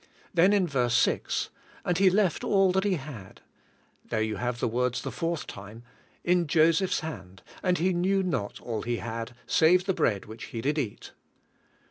Then in verse 6: "And he left all that he had" — there you have the words the fourth time — "in Joseph's hand, and he knew not all he had, save the bread which he did eat."